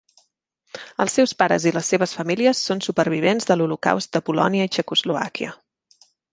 Els seus pares i les seves famílies són supervivents de l'Holocaust de Polònia i Txecoslovàquia.